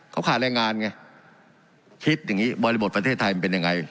เขาขาดแรงงานไงคิดอย่างนี้บริบทประเทศไทยมันเป็นยังไง